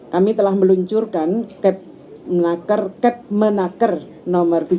kami telah meluncurkan cap menaker cap menaker nomor tujuh puluh enam tahun dua ribu empat